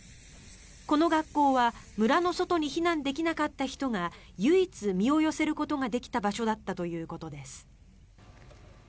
この学校は村の外に避難できなかった人が唯一、身を寄せることができた場所だったということです。